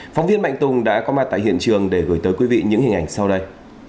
phóng viên mạnh tùng đã có mặt tại hiện trường để gửi tới quý vị những hình ảnh sau đây